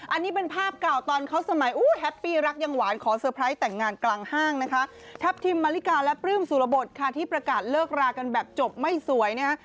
อันนี้เป็นภาพเก่าตอนเขาสมัยอู้แฮปปี้รักยังหวานขอเตอร์ไพรส์แต่งงานกลางห้างนะคะทัพทิมมาริกาและปลื้มสุรบทค่ะที่ประกาศเลิกรากันแบบจบไม่สวยนะฮะ